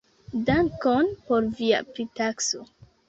Dankon por via pritakso.